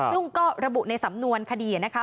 ซึ่งก็ระบุในสำนวนคดีนะคะ